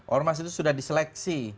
ormas itu sudah diseleksi